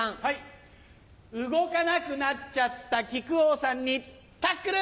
動かなくなっちゃった木久扇さんにタックル！